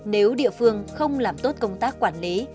nếu địa phương không làm tốt công tác quản lý